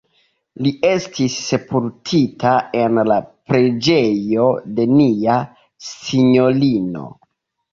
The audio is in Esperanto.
Li estis sepultita en la Preĝejo de Nia Sinjorino.